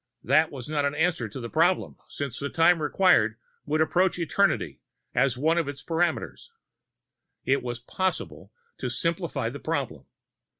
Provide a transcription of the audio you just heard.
That was not an answer to the problem, since the time required would approach eternity as one of its parameters. It was possible to simplify the problem.